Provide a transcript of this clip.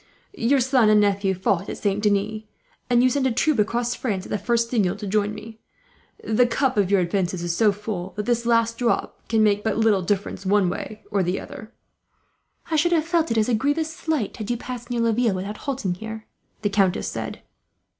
Your son and nephew fought at Saint Denis; and you sent a troop across France, at the first signal, to join me. The cup of your offences is so full that this last drop can make but little difference, one way or the other." "I should have felt it as a grievous slight, had you passed near Laville without halting here," the countess said.